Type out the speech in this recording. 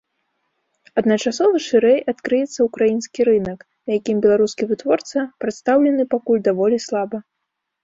Адначасова шырэй адкрыецца ўкраінскі рынак, на якім беларускі вытворца прадстаўлены пакуль даволі слаба.